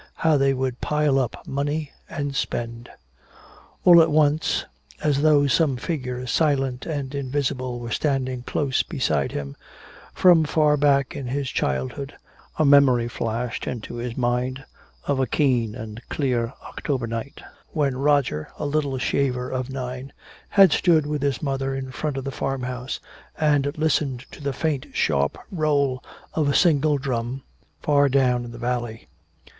How they would pile up money and spend! All at once, as though some figure silent and invisible were standing close beside him, from far back in his childhood a memory flashed into his mind of a keen and clear October night, when Roger, a little shaver of nine, had stood with his mother in front of the farmhouse and listened to the faint sharp roll of a single drum far down in the valley.